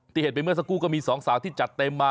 เห็นไปเมื่อสักครู่ก็มีสองสาวที่จัดเต็มมา